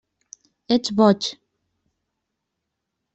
Ets boig.